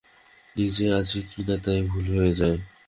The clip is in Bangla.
নিজে আছি কি না তাই ভুল হয়ে যায়।